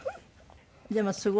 でもすごい。